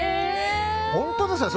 本当ですか？